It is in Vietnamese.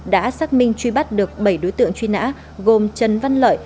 đã xác minh truy bắt được bảy đối tượng truy nã gồm trần văn lợi